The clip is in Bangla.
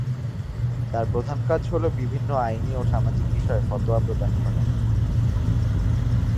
তার প্রধান কাজ হলো বিভিন্ন আইনি ও সামাজিক বিষয়ে ফতোয়া প্রদান করা।